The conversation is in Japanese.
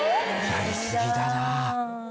やりすぎだなあ。